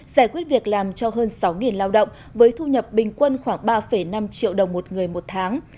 giải quyết việc làm cho hơn sáu lao động với thu nhập bình quân khoảng ba năm triệu đồng một người một tháng